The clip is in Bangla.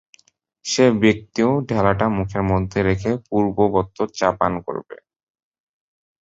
সে ব্যক্তিও সে ডেলাটা মুখের মধ্যে রেখে পূর্ববৎ চা পান করে।